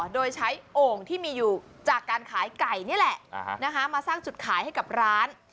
โดยใช้โอ่งที่มีอยู่จากการขายไก่นี่แหละมาสร้างจุดขายให้กับร้าน